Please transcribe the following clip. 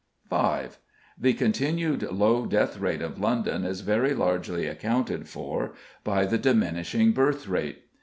5. The continued low death rate of London is very largely accounted for by the diminishing birth rate.